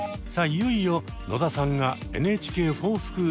いよいよ野田さんが「ＮＨＫｆｏｒＳｃｈｏｏｌ」